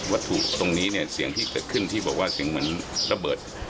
ตรงนี้เนี่ยเสียงที่เกิดขึ้นที่บอกว่าเสียงเหมือนระเบิด